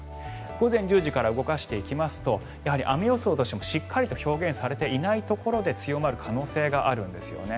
午前１０時から動かしていきますとやはり雨予想としてもしっかりと表現されていないところで強まる可能性があるんですよね。